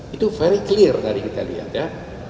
itu very clear tadi kita lihat ya